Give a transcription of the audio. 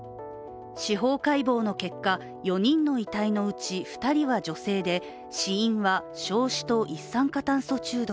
司法解剖の結果、４人の遺体のうち２人は女性で死因は焼死と一酸化炭素中毒。